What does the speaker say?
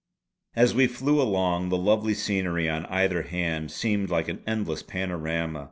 As we flew along, the lovely scenery on either hand seemed like an endless panorama.